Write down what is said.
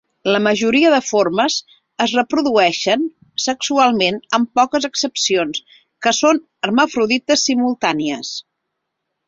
La majoria de formes es reprodueixen sexualment amb poques excepcions que són hermafrodites simultànies.